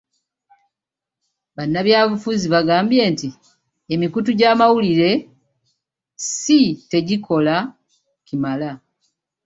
Bannabyafuzi baagambye nti emikutu gy'amawulire si tegikola kimala.